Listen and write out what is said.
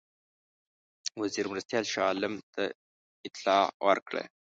وزیر مرستیال شاه عالم ته اطلاع ورکړه.